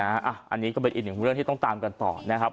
อันนี้ก็เป็นอีกหนึ่งเรื่องที่ต้องตามกันต่อนะครับ